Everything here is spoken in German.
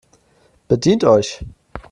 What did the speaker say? Bedient euch!